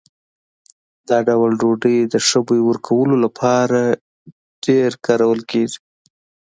دا ډول ډوډۍ د ښه بوی ورکولو لپاره ډېرې کارول کېږي.